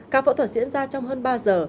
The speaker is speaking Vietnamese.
các phẫu thuật diễn ra trong hơn ba giờ